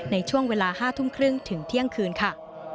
ในช่วงเวลา๕ทุ่มครึ่งถึงเที่ยงคืนค่ะ